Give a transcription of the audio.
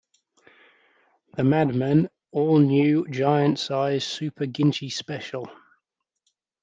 The Madman All-New Giant-Size Super-Ginchy Special!